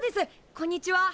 こんにちは。